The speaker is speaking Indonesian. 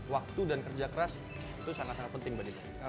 waktu dan kerja keras itu sangat sangat penting bagi saya